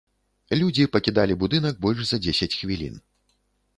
Людзі пакідалі будынак больш за дзесяць хвілін.